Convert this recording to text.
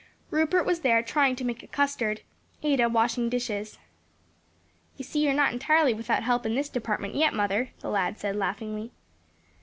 Rupert was there trying to make a custard; Ada washing dishes. "You see you're not entirely without help in this department yet, mother," the lad said laughingly.